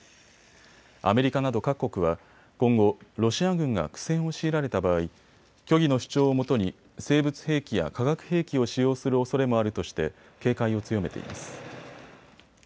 アメリカなど各国は今後、ロシア軍が苦戦を強いられた場合、虚偽の主張をもとに生物兵器や化学兵器を使用するおそれもあるとして警戒を強めています。